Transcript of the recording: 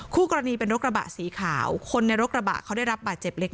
คู่กรณีเป็นรถกระบะสีขาวคนในรถกระบะเขาได้รับบาดเจ็บเล็ก